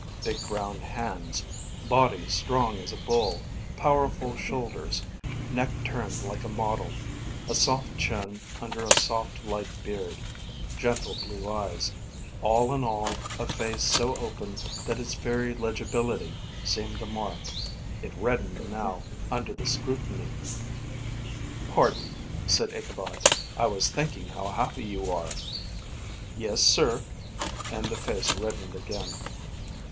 Big brown hands; body strong as a bull; powerful shoulders; neck turned like a model; a soft chin under a soft, light beard; gentle blue eyes all in all, a face so open that its very legibility seemed a mark. It reddened now, under the scrutiny. "Pardon," said Ichabod. "I was thinking how happy you are." "Yes, sir." And the face reddened again.